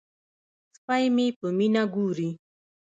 سپی مې په مینه ګوري.